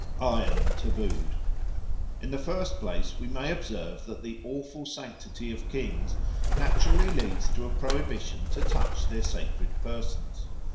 Iron tabooed IN THE FIRST place we may observe that the awful sanctity of kings naturally leads to a prohibition to touch their sacred persons.